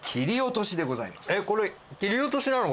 えっこれ切り落としなの？